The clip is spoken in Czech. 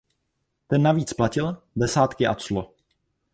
Ten navíc platil desátky a clo.